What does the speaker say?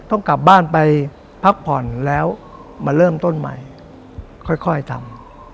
ต้องกลับบ้านไปพักผ่อนแล้วมาเริ่มต้นใหม่ค่อยทำ